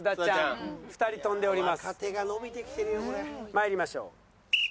参りましょう。